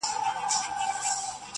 د ایپي د مورچلونو وخت به بیا سي-